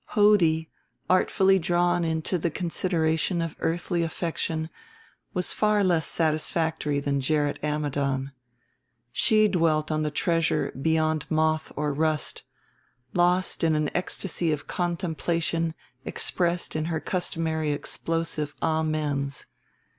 Hodie, artfully drawn into the consideration of earthly affection, was far less satisfactory than Gerrit Ammidon. She dwelt on the treasure beyond moth or rust, lost in an ecstasy of contemplation expressed in her customary explosive amens.